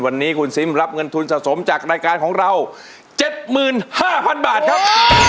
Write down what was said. วันนี้คุณซิมรับเงินทุนสะสมจากรายการของเรา๗๕๐๐๐บาทครับ